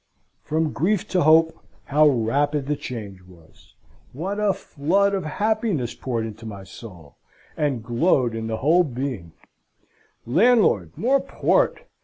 From grief to hope, how rapid the change was! What a flood of happiness poured into my soul, and glowed in my whole being! Landlord, more port!